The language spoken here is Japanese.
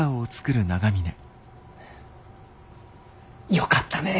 よかったねえ。